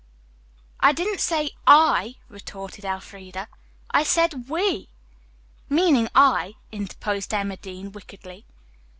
"I didn't say 'I,'" retorted Elfreda. "I said 'we.'" "Meaning 'I'," interposed Emma Dean wickedly.